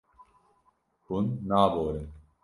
Hûn naborin.